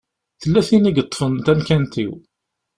Tella tin i yeṭṭfen tamkant-iw.